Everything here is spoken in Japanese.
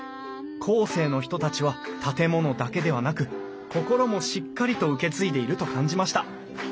後世の人たちは建物だけではなく心もしっかりと受け継いでいると感じました。